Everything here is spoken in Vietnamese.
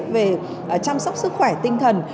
về chăm sóc sức khỏe tinh thần